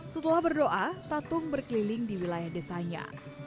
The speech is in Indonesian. setelah berdoa tatung berkeliling di wilayah desanya